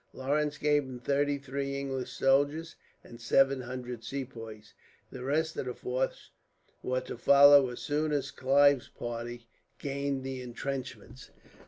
Lawrence gave him thirty three English soldiers, and seven hundred Sepoys. The rest of the force were to follow as soon as Clive's party gained the entrenchments.